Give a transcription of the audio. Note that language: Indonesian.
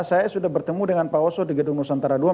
saya sudah bertemu dengan pak oso di gedung nusantara ii